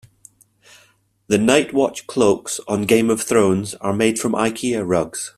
The night watch cloaks on Game of Thrones are made from Ikea rugs.